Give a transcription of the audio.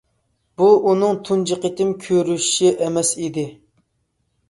بۇ ئۇنىڭ تۇنجى قېتىم كۆرۈشى ئەمەس ئىدى.